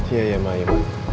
iya ya emang